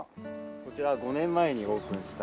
こちら５年前にオープンした。